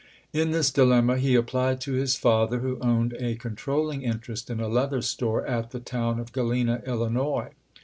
In this di lemma he applied to his father, who owned a controlling interest in a leather store at the town of Galena, Illinois.